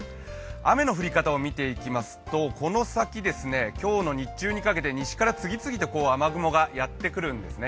雨の降り方を見ていきますとこの先、今日の日中にかけて西から次々と雨雲がやってくるんですね。